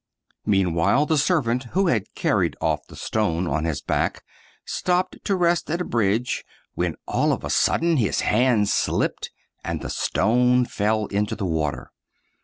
Meanwhile, the serv ant, who had carried off the stone on his back, stopped to rest at a bridge, when all of a sudden his hand slipped and the stone fell into the water.